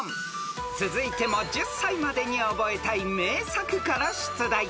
［続いても１０才までに覚えたい名作から出題］